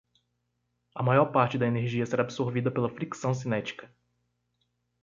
A maior parte da energia será absorvida pela fricção cinética.